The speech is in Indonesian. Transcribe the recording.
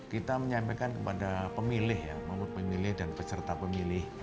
kita menyampaikan kepada pemilih memut pemilih dan peserta pemilih